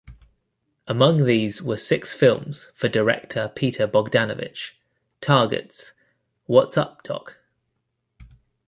Among these were six films for director Peter Bogdanovich: "Targets", "What's Up, Doc?